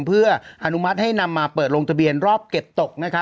เพื่ออนุมัติให้นำมาเปิดลงทะเบียนรอบเก็บตก